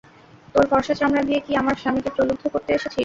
তোর ফর্সা চামড়া দিয়ে কি আমার স্বামীকে প্রলুদ্ধ করতে এসেছিস?